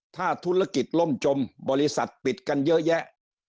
ถ้าธุรกิจล่มจมบริษัทปิดกันเยอะแยะ